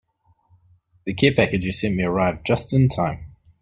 The care package you sent me arrived just in time.